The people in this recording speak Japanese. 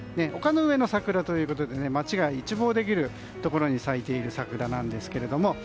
丘の上の桜ということで街が一望できるところに咲いている桜なんですけれども。